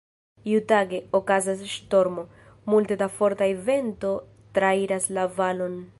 Iutage, okazas ŝtormo. Multe da forta vento trairas la valon.